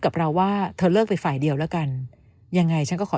กับเราว่าเธอเลิกไปฝ่ายเดียวแล้วกันยังไงฉันก็ขอ